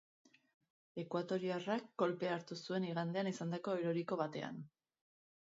Ekuatoriarrak kolpea hartu zuen igandean izandako eroriko batean.